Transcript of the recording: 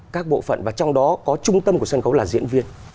các bộ phận và trong đó có trung tâm của sân khấu là diễn viên